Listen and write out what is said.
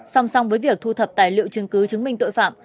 song song với việc thu thập tài liệu chứng cứ chứng minh tội phạm